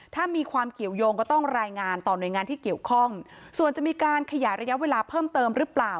ถ้ามีความเกี่ยวยงก็ต้องรายงานต่อหน่วยงานที่เกี่ยวข้องส่วนจะมีการขยายระยะเวลาเพิ่มเติมหรือเปล่า